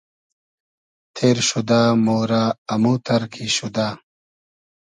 تېر شودۂ مۉرۂ اموتئر کی شودۂ